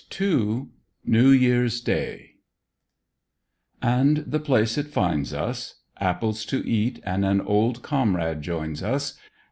23 NEW YEAR'S DAY AND THE PLACE IT FINDS US. — APPLES TO EAT AND AN OLD COM RADE JOINS US.